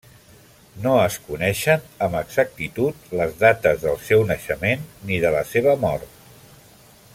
No es coneixen amb exactitud les dates del seu naixement ni de la seva mort.